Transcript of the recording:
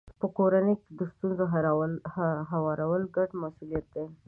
په کورنۍ کې د ستونزو هوارول ګډ مسولیت دی.